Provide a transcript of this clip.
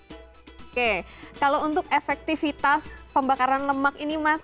oke kalau untuk efektivitas pembakaran lemak ini mas